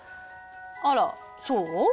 あらそう？